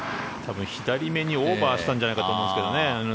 左めにオーバーしたんじゃないかと思いますけどね。